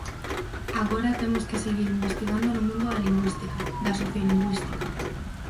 Agora temos que seguir investigando no mundo da lingüística, da sociolingüística;